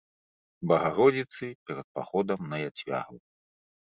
Багародзіцы перад паходам на яцвягаў.